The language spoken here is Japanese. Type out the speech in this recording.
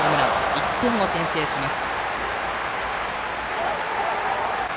１点を先制します。